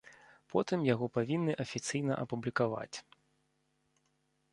Потым яго павінны афіцыйна апублікаваць.